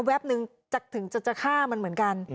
แป๊บนึงถึงจะฆ่ามันเหมือนกัน